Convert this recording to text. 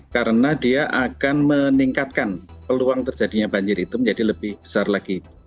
karena dia akan meningkatkan peluang terjadinya banjir itu menjadi lebih besar lagi